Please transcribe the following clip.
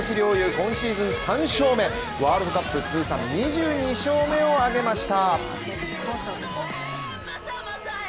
今シーズン３勝目ワールドカップ通算２２勝目を挙げました。